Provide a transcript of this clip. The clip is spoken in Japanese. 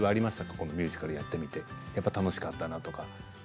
このミュージカルをやってみて楽しかったなとか。